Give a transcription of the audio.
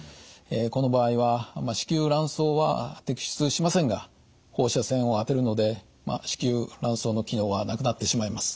この場合は子宮卵巣は摘出しませんが放射線を当てるので子宮卵巣の機能はなくなってしまいます。